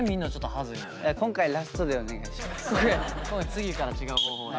次から違う方法で。